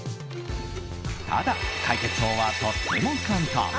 ただ、解決法はとっても簡単。